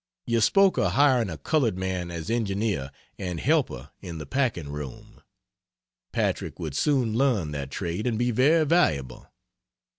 You spoke of hiring a colored man as engineer and helper in the packing room. Patrick would soon learn that trade and be very valuable.